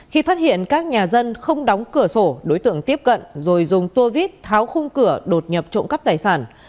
khi phát hiện các nhà dân không đóng cửa sổ đối tượng tiếp cận rồi dùng tua vít tháo khung cửa đột nhập trộm cắp tài sản